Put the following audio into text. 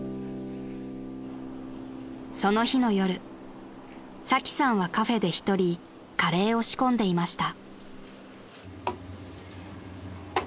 ［その日の夜サキさんはカフェでひとりカレーを仕込んでいました］